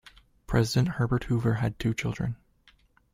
President Herbert Hoover had two children.